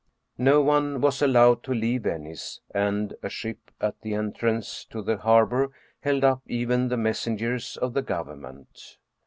No one was allowed to leave Venice, and a ship at the entrance to the harbor held up even the messengers of the government.